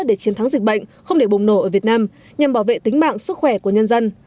để chiến thắng dịch bệnh không để bùng nổ ở việt nam nhằm bảo vệ tính mạng sức khỏe của nhân dân